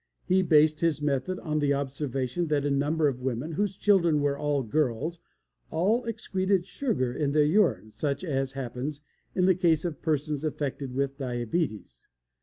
He based his method on the observation that a number of women whose children were all girls all excreted sugar in their urine, such as happens in the case of persons affected with diabetes.